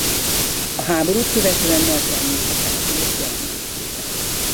A háborút követően nagyban nőtt a település jelentősége.